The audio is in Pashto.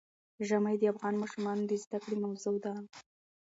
ژمی د افغان ماشومانو د زده کړې موضوع ده.